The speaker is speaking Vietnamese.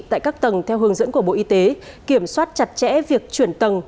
tại các tầng theo hướng dẫn của bộ y tế kiểm soát chặt chẽ việc chuyển tầng